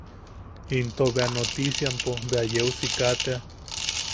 Into bea notisiampo bea yeu siika tea.